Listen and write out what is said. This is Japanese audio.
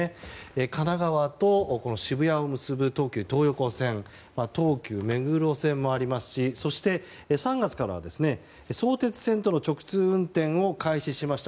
神奈川と渋谷を結ぶ東急東横線東急目黒線もありますしそして、３月から相鉄線との直通運転を開始しました